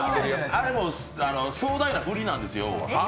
あれも壮大なフリなんですよ。